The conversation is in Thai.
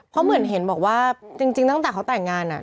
เพราะเหมือนเห็นบอกว่าจริงตั้งแต่เขาแต่งงาน